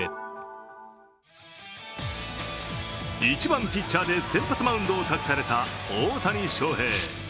１番・ピッチャーで先発マウンドを託された大谷翔平。